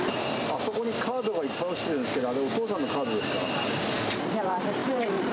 あそこにカードがいっぱい落ちてるんですけど、あれ、お父さんのカードですか？